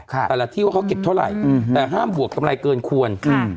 ค่ะแต่ละที่ว่าเขากรีบทำแต่ห้ามบวกกำไรเกินควร